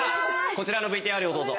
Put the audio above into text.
こちらのＶＴＲをどうぞ。